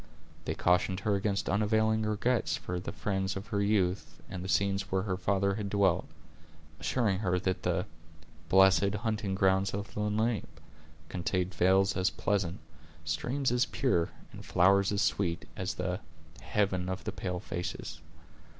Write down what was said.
They cautioned her against unavailing regrets for the friends of her youth, and the scenes where her father had dwelt; assuring her that the "blessed hunting grounds of the Lenape," contained vales as pleasant, streams as pure; and flowers as sweet, as the "heaven of the pale faces."